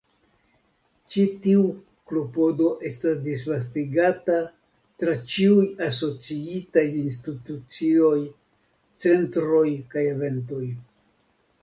Ĉi tiu klopodo estas disvastigata tra ĉiuj asociitaj institucioj, centroj kaj eventoj.